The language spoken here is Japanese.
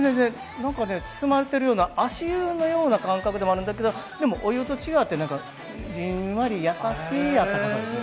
なんかね、包まれてるような、足湯のような感覚でもあるんだけど、でもお湯と違って、なんかじんわり優しい温かさですよ。